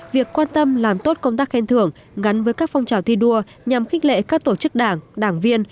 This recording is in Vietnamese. việc quan tâm làm tốt công tác khen thưởng gắn với các phong trào thi đua nhằm khích lệ các tổ chức đảng đảng viên